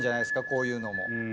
こういうのも。